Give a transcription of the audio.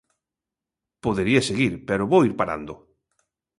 Podería seguir, pero vou ir parando.